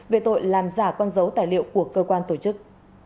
về tội làm giả con dấu tài liệu của cơ quan tổ chức